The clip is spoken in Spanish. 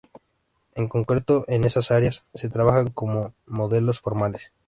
En concreto en esas áreas se trabajan con "modelos formales".